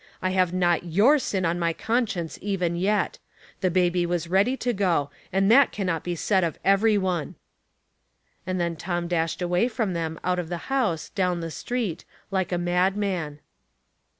I have not your sin on my conscience even yet. The baby was ready to go, and that can not be said of every one." And then Tom dashed away from them out of the house, down the street, like a madman.